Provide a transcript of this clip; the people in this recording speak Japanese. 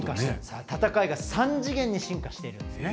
戦いが三次元に進化しているんですね。